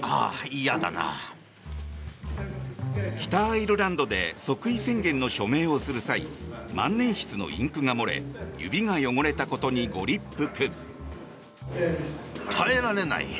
北アイルランドで即位宣言の署名をする際万年筆のインクが漏れ指が汚れたことに、ご立腹。